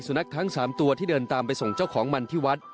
นักทั้ง๓ตัวที่เดินตามไปส่งเจ้าของมันที่วัด